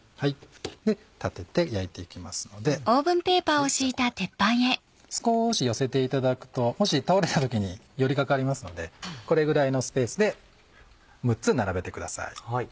立てて焼いていきますのでではこのように少し寄せていただくともし倒れた時に寄り掛かりますのでこれぐらいのスペースで６つ並べてください。